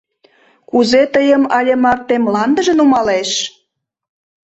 — Кузе тыйым але марте мландыже нумалеш?